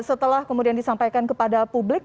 setelah kemudian disampaikan kepada publik